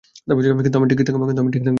কিন্তু আমি ঠিক থাকব।